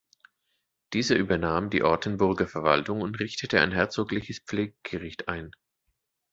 Dieser übernahm die Ortenburger Verwaltung und richtete ein herzogliches Pfleggericht ein.